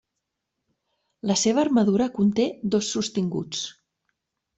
La seva armadura conté dos sostinguts.